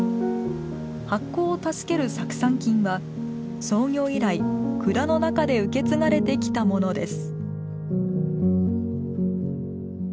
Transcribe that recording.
発酵を助ける酢酸菌は創業以来蔵の中で受け継がれてきたものです。